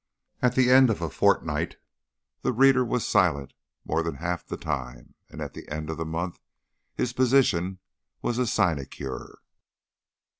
At the end of a fortnight the reader was silent more than half the time, and at the end of the month his position was a sinecure.